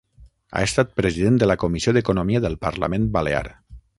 Ha estat president de la comissió d'economia del Parlament Balear.